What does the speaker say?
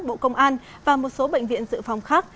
bộ công an và một số bệnh viện dự phòng khác